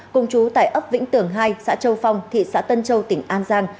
cùng chú tại ấp vĩnh tường hai xã châu phong thị xã tân châu tỉnh an giang